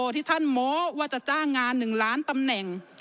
ที่ท่านโม้ว่าจะจ้างงาน๑ล้านตำแหน่ง